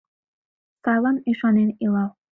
Сайлан ӱшанен илал.